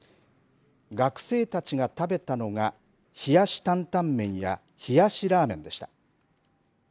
学生たちが食べたのが冷やしタンタン麺や冷やしラーメンでした。